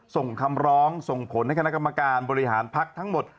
ส่งคำร้องส่งผลให้คณะกรรมการบริหารพักทั้งหมด